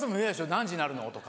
「何時になるの？」とか。